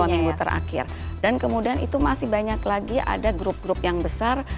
dua minggu terakhir dan kemudian itu masih banyak lagi ada grup grup yang besar